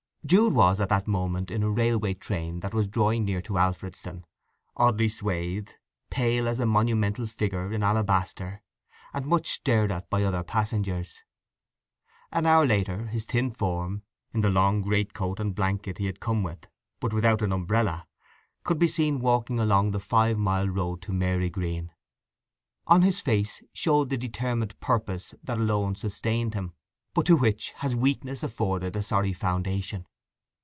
Jude was at that moment in a railway train that was drawing near to Alfredston, oddly swathed, pale as a monumental figure in alabaster, and much stared at by other passengers. An hour later his thin form, in the long great coat and blanket he had come with, but without an umbrella, could have been seen walking along the five mile road to Marygreen. On his face showed the determined purpose that alone sustained him, but to which has weakness afforded a sorry foundation.